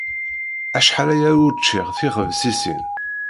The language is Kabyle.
Acḥal aya ur ččiɣ tibexsisin.